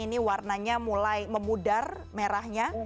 ini warnanya mulai memudar merahnya